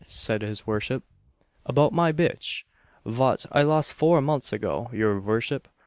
said his worship. "About my bitch, vaut I lost four months ago, your vurship.